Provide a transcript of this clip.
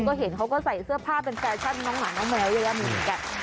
ก็เห็นเขาก็ใส่เสื้อผ้าเป็นแฟชั่นน้องหมาน้องแมวเยอะแยะเหมือนกัน